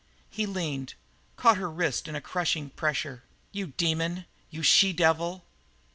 He leaned, caught her wrist in a crushing pressure. "You demon; you she devil!"